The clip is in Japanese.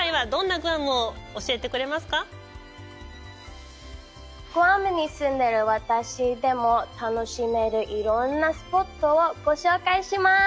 グアムに住んでいる私でも楽しめるいろんなスポットをご紹介します。